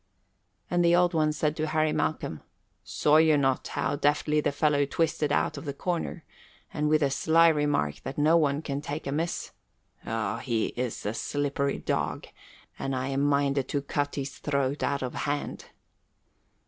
And the Old One said to Harry Malcolm, "Saw you not how deftly the fellow twisted out of the corner, and with a sly remark that no one can take amiss? Oh, he is a slippery dog and I am minded to cut his throat out of hand!"